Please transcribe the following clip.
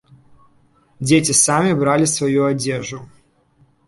Дзеці самі бралі сваю адзежу.